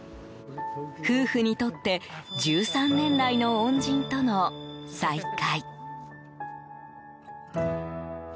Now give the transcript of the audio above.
夫婦にとって１３年来の恩人との再会。